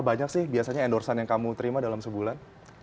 bagaimana endorsement yang kamu terima dalam sebulan